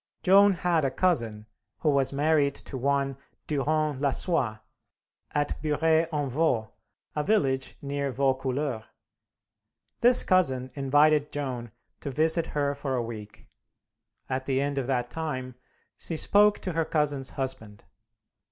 Joan had a cousin who was married to one Durand Lassois, at Burey en Vaux, a village near Vaucouleurs. This cousin invited Joan to visit her for a week. At the end of that time she spoke to her cousin's husband.